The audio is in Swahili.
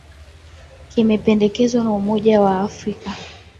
kimependekezwa na umoja wa afrika